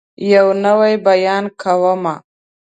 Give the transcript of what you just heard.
يو نوی بيان کومه